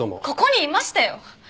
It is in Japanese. ここにいましたよ！